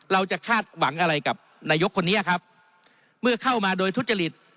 เราจะคาดหวังอะไรกับนายกคนนี้ครับเมื่อเข้ามาโดยทุจริต